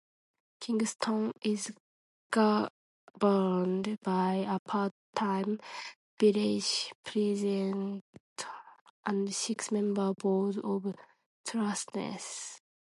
Kingston is governed by a part-time Village President and six-member Board of Trustees.